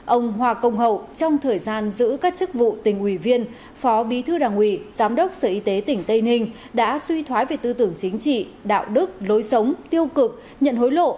ông hòa công hậu trong thời gian giữ các chức vụ tỉnh ủy viên phó bí thư đảng ủy giám đốc sở y tế tỉnh tây ninh đã suy thoái về tư tưởng chính trị đạo đức lối sống tiêu cực nhận hối lộ